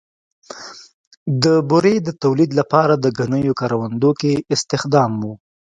د بورې د تولید لپاره د ګنیو کروندو کې استخدام و.